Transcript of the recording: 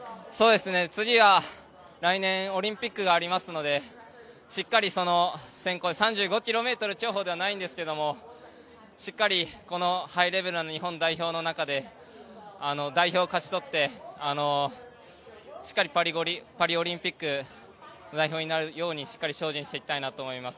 次は来年オリンピックがありますのでしっかり３５ｋｍ競歩ではないんですけどもしっかりハイレベルな日本代表の中で代表を勝ち取って、しっかりパリオリンピック代表になるようしっかり精進していきたいと思います。